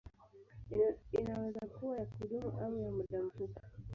Inaweza kuwa ya kudumu au ya muda mfupi.